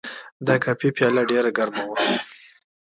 د کافي پیاله ډېر ګرمه وه.